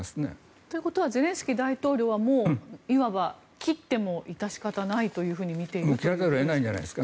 ということはゼレンスキー大統領は、いわば切っても致し方ないとみているということですか。